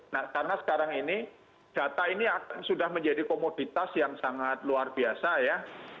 nah karena sekarang ini data ini sudah menjadi komoditas yang sangat luar biasa ya